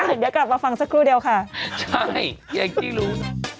เดี๋ยวกลับมาฟังสักครู่เดียวค่ะใช่อย่างที่รู้